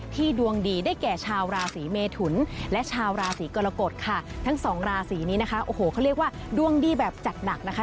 ดวงดีได้แก่ชาวราศีเมทุนและชาวราศีกรกฎค่ะทั้งสองราศีนี้นะคะโอ้โหเขาเรียกว่าดวงดีแบบจัดหนักนะคะ